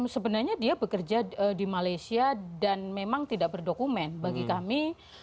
sebenarnya dia bekerja di malaysia dan memang tidak berdokumen bagi kami